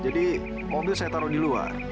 jadi mobil saya taruh di luar